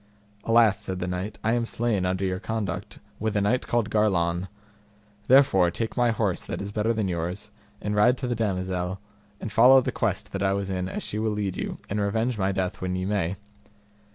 Alas, said the knight, I am slain under your conduct with a knight called Garlon; therefore take my horse that is better than yours, and ride to the damosel, and follow the quest that I was in as she will lead you, and revenge my death when ye may.